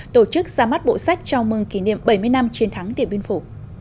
tổ chức ra mắt bộ sách chào mừng kỷ niệm bảy mươi năm chiến thắng điện biên phủ